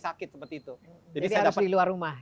sakit seperti itu jadi harus di luar rumah